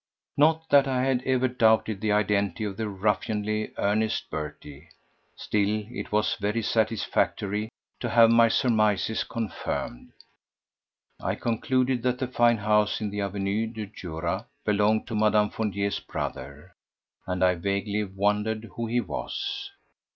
Not that I had ever doubted the identity of the ruffianly Ernest Berty; still it was very satisfactory to have my surmises confirmed. I concluded that the fine house in the Avenue du Jura belonged to Mme. Fournier's brother, and I vaguely wondered who he was.